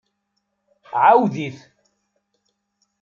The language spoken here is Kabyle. Ɛawed-it.